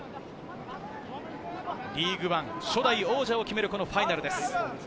リーグワン初代王者を決めるファイナルです。